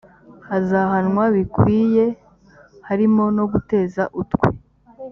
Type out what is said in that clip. azahanwa bikwiye harimo no guteza utwe